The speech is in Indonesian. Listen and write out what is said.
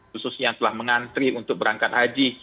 khususnya yang telah mengantri untuk berangkat haji